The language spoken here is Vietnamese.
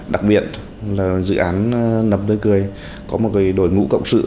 đặc biệt là dự án nấm tươi cười có một cái đội ngũ cộng sự